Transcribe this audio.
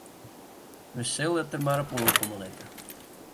Wy sille it der mar op oankomme litte.